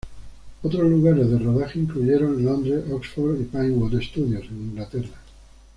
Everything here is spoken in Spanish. Otros lugares de rodaje incluyeron Londres, Oxford y Pinewood Studios en Inglaterra.